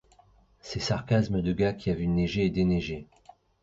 Ses sarcasmes de gars qui a vu neiger et déneiger.